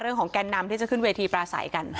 เรื่องของแกนนำที่จะขึ้นเวทีปลาสายกัน